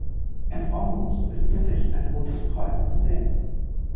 Im Rhombus ist mittig ein Rotes Kreuz zu sehen.